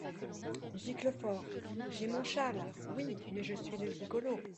Giclefort. — J’ai mon châle, oui ! mais je suis le gigolo !…